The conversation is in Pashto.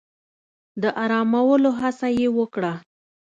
د آرامولو هڅه يې وکړه.